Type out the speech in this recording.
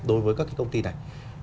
đối với các công ty này